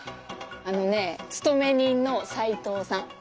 あのね勤め人の斉藤さん。